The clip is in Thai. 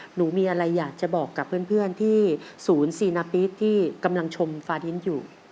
หนูมีอะไรอยากจะบอกกับเพื่อนที่ศูนย์ซีนาปี๊ดที่กำลังชมฟาดินอยู่